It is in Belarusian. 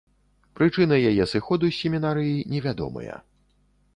Прычыны яе сыходу з семінарыі невядомыя.